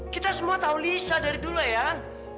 kita semua tahu lisa dari dulu ya